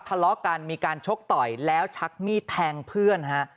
ทะเลาะกันมีการชกต่อยแล้วชักมีดแทงเพื่อนฮะ